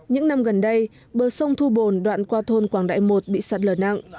những năm gần đây bờ sông thu bồn đoạn qua thôn quảng đại một bị sạt lở nặng